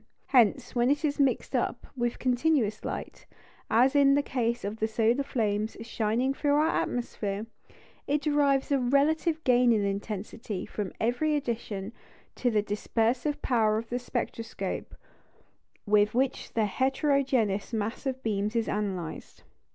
Hence, when it is mixed up with continuous light as in the case of the solar flames shining through our atmosphere it derives a relative gain in intensity from every addition to the dispersive power of the spectroscope with which the heterogeneous mass of beams is analysed.